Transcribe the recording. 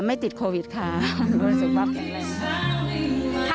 ไม่ติดโควิดค่ะร่วมสุขปลอดแก่เลยค่ะ